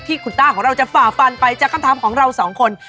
คุณต้าของเราจะฝ่าฟันไปจากคำถามของเราสองคน